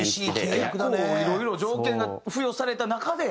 結構いろいろ条件が付与された中で。